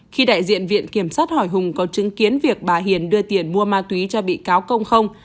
khi đại diện viện kiểm sát hỏi hùng có chứng kiến việc bà hiền đưa tiền mua ma túy cho bị cáo công không